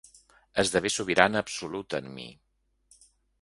Esdevé sobirana absoluta en mi.